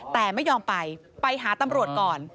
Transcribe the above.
แต่ไม่ยอมไปไปหาตำรวจก่อน